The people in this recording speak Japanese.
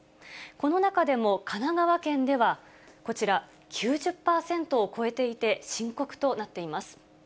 この中でも、神奈川県ではこちら、９０％を超えていて、深刻となっています。